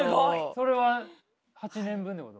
それは８年分ってこと？